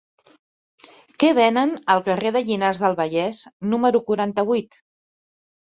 Què venen al carrer de Llinars del Vallès número quaranta-vuit?